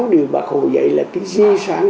sáu điều bác hồ dạy là cái di sản